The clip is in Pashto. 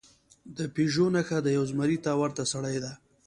د پېژو نښه د یو زمري ته ورته سړي ده.